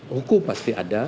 hukum pasti ada